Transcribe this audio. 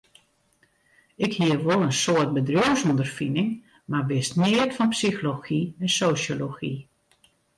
Ik hie wol in soad bedriuwsûnderfining, mar wist neat fan psychology en sosjology.